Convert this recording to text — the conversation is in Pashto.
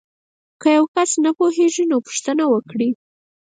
که یو کس نه پوهیږي نو پوښتنه وکړئ.